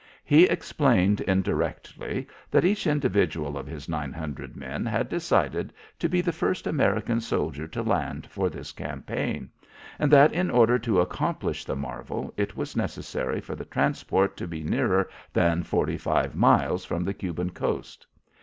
He explained indirectly that each individual of his nine hundred men had decided to be the first American soldier to land for this campaign, and that in order to accomplish the marvel it was necessary for the transport to be nearer than forty five miles from the Cuban coast.